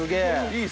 いい！